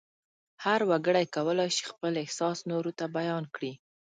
هر وګړی کولای شي خپل احساس نورو ته بیان کړي.